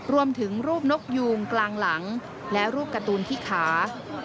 รวมถึงรูปนกยูงกลางหลังและรูปการ์ตูนที่ขา